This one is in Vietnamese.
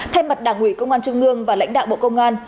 thay mặt đảng ủy công an trung ương và lãnh đạo bộ công an